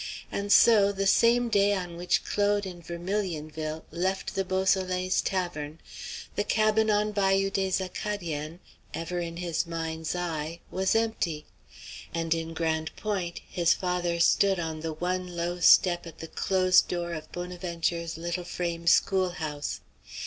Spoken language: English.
And so, the same day on which Claude in Vermilionville left the Beausoleils' tavern, the cabin on Bayou des Acadiens, ever in his mind's eye, was empty, and in Grande Pointe his father stood on the one low step at the closed door of Bonaventure's little frame schoolhouse.